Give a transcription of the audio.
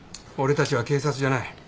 俺たちは警察じゃない。